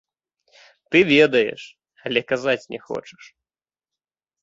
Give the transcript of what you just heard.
Ты ведаеш, але казаць не хочаш!